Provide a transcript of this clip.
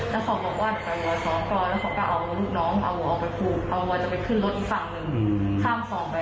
แล้วเขาบอกว่าไปรอยท้องก่อนแล้วเขาก็เอาลูกน้องเอาออกไปผูกเอาวัวจะไปขึ้นรถอีกฝั่งหนึ่งข้ามสองไป